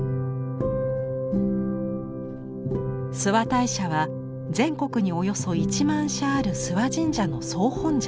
諏訪大社は全国におよそ１万社ある諏訪神社の総本社。